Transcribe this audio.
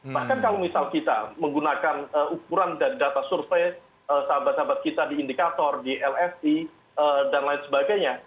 bahkan kalau misal kita menggunakan ukuran dan data survei sahabat sahabat kita di indikator di lsi dan lain sebagainya